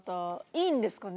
いいんですかね？